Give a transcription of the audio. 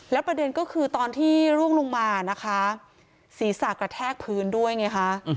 ประเด็นก็คือตอนที่ร่วงลงมานะคะศีรษะกระแทกพื้นด้วยไงคะ